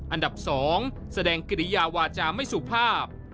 อันดับ๒แสดงกิริยาวาจาไม่สุภาพ